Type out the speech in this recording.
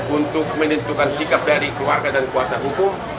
untuk menentukan sikap dari keluarga dan kuasa hukum